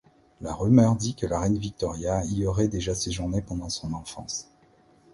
La rumeur dit que la reine Victoria y aurait déjà séjourné pendant son enfance.